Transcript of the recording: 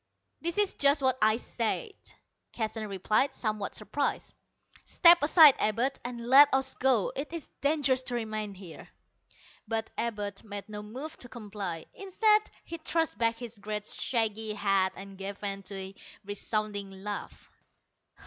"That is just what I said," Keston replied, somewhat surprised. "Step aside, Abud, and let us go. It is dangerous to remain here." But Abud made no move to comply. Instead he thrust back his great shaggy head and gave vent to a resounding laugh.